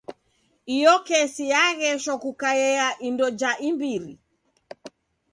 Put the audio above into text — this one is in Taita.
Iyo kesi yagheshwa kukaia ya indo ja imbiri.